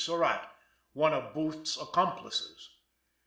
Surratt, one of Booth's accomplices.